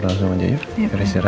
kita langsung aja yuk